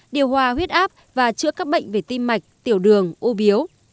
điều hòa huyết áp và chữa các bệnh về tim mạch tiểu đường ô biếu